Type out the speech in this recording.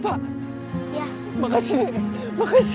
sama sama jangan melurburi claritas saya